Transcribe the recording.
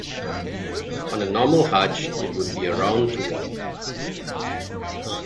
On a normal Hajj, it would be around to walk.